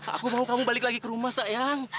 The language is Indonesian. aku mau kamu balik lagi ke rumah sayang